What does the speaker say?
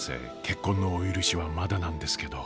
結婚のお許しはまだなんですけど！